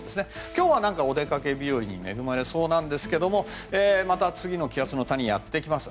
今日はお出かけ日和に恵まれそうなんですがまた次の気圧の谷やってきます。